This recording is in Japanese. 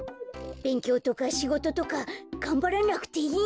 べんきょうとかしごととかがんばらなくていいんだ！